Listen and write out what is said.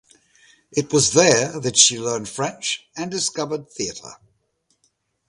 It was there that she learned French and discovered theater.